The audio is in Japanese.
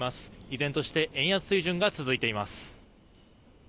依然として円安水準が続いています。